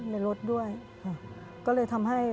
ในรถด้วยค่ะก็เลยทำให้